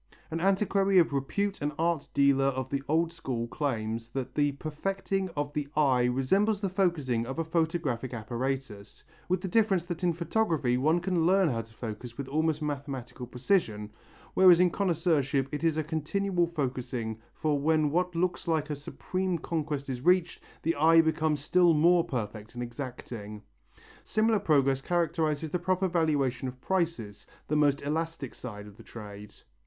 An antiquary of repute and art dealer of the old school claims that the perfecting of the eye resembles the focussing of a photographic apparatus, with the difference that in photography one can learn how to focus with almost mathematical precision, whereas in connoisseurship it is a continual focussing for when what looks like a supreme conquest is reached, the eye becomes still more perfect and exacting. Similar progress characterizes the proper valuation of prices, the most elastic side of the trade.